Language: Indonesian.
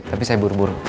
tapi saya buru buru